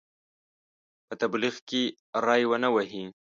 په تبلیغ کې ری ونه وهي.